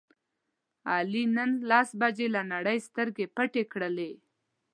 علي نن لس بجې له نړۍ سترګې پټې کړلې.